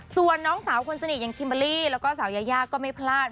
ส่วนน้องสาวคนสนิทอย่างคิมเบอร์รี่แล้วก็สาวยายาก็ไม่พลาด